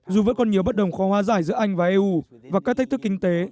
dù vẫn còn nhiều bất đồng khoa hóa giải giữa anh và eu và các thách thức kinh tế